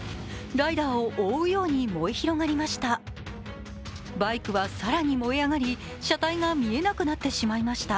ライダーを覆うように燃え広がりました。